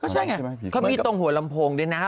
ใช่ไงเขามีตรงหัวลำโพงด้วยนะ